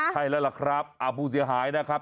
ใช่แล้วล่ะครับผู้เสียหายนะครับ